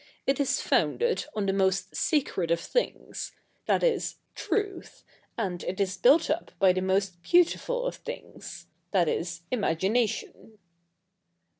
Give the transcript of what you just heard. It is founded on the most sacred of things — that is. Truth, and it is built up by the most beautiful of things — that is, Imagination.'